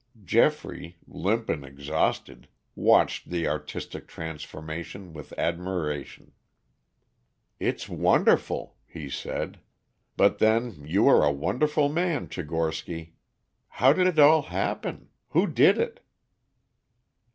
Geoffrey, limp and exhausted, watched the artistic transformation with admiration. "It's wonderful," he said, "but then you are a wonderful man, Tchigorsky. How did it all happen? Who did it?"